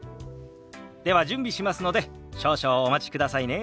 では準備しますので少々お待ちくださいね。